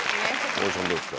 大西さんどうですか？